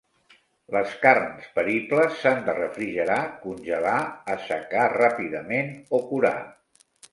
Les carns peribles s'han de refrigerar, congelar, assecar ràpidament o curar.